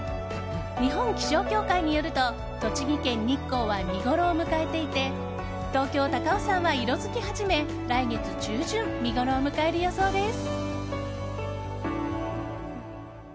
日本気象協会によると栃木県日光は見ごろを迎えていて東京・高尾山は色づき始め来月中旬見ごろを迎える予想です。